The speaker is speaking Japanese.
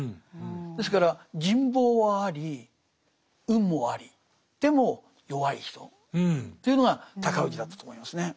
ですから人望はあり運もありでも弱い人というのが尊氏だったと思いますね。